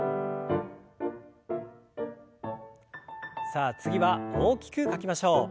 さあ次は大きく書きましょう。